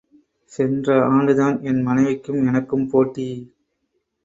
சென்ற ஆண்டுதான் என் மனைவிக்கும் எனக்கும் போட்டி.